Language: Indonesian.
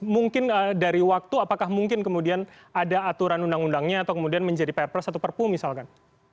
mungkin dari waktu apakah mungkin kemudian ada aturan undang undangnya atau kemudian menjadi perpres atau perpu misalkan